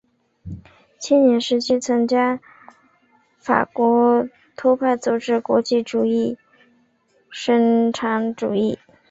青年时期曾经参加法国托派组织国际主义共产主义组织。